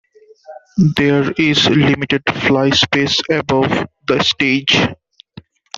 There is limited fly space above the stage.